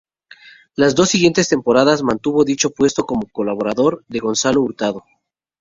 Las dos siguientes temporadas mantuvo dicho puesto como colaborador de Gonzalo Hurtado.